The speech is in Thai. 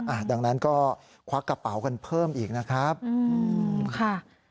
อ่ะดังนั้นก็ควักกระเป๋ากันเพิ่มอีกนะครับอืมค่ะ